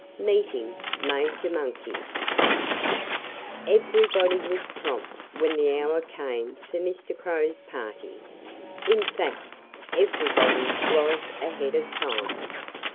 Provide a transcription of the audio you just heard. V Meeting Major Monkey Everybody was prompt when the hour came for Mr. Crow's party. In fact, everybody was ahead of time.